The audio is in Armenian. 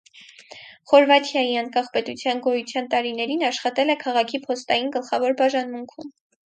Խորվաթիայի անկախ պետության գոյության տարիներին աշխատել է քաղաքի փոստային գլխավոր բաժանմունքում։